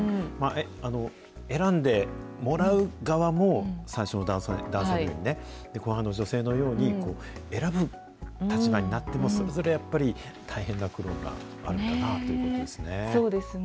選んでもらう側も、最初の男性のようにね、女性のように、選ぶ立場になっても、それぞれやっぱり、大変な苦労があるんだなということですね。